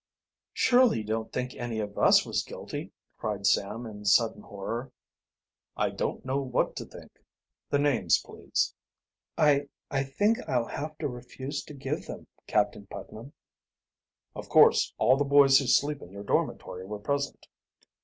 "Surely you don't think any of us was guilty?" cried Sam in sudden horror. "I don't know what to think. The names, please." "I I think I'll have to refuse to give them, Captain Putnam." "Of course all the boys who sleep in your dormitory were present?"